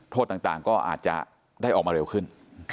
โทษต่างก็อาจจะได้ออกมาเร็วขึ้น